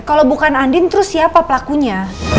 kalau bukan andin terus siapa pelakunya